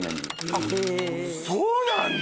あっそうなんだ！